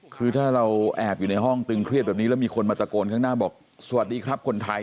คือถ้าเราแอบอยู่ในห้องตึงเครียดแบบนี้แล้วมีคนมาตะโกนข้างหน้าบอกสวัสดีครับคนไทย